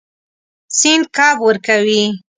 سیند کب ورکوي.